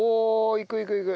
いくいくいく！